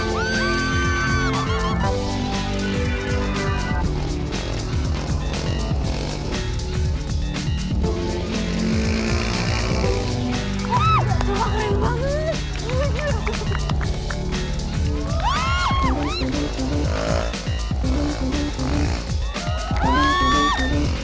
wah keren banget